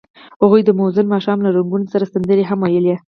هغوی د موزون ماښام له رنګونو سره سندرې هم ویلې.